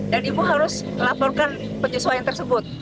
dan ibu harus laporkan penyesuaian tersebut